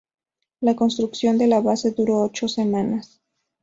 La construcción de la base duró ocho semanas.